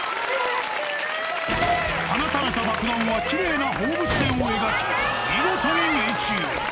放たれた爆弾はきれいな放物線を描き、見事に命中。